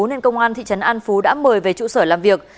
nên công an thị trấn an phú đã mời về trụ sở làm việc